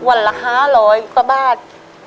วันละคร้ารอยกว่าบาท